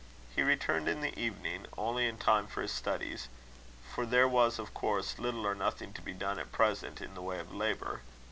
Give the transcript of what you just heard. He returned in the evening, only in time for his studies; for there was of course little or nothing to be done at present in the way of labour.